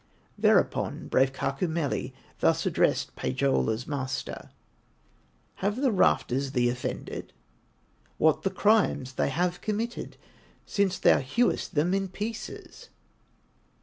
Thereupon brave Kaukomieli, Thus addressed Pohyola's master: "Have the rafters thee offended? What the crimes they have committed, Since thou hewest them in pieces?